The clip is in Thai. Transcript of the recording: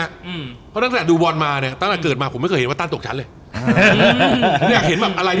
เพราะตั้งแต่ดูตลอดมาตั้งแต่เกิดมาผมไม่เคยเห็นว่าตันตกชั้นเลย